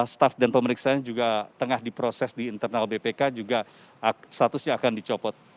staff dan pemeriksaan juga tengah diproses di internal bpk juga statusnya akan dicopot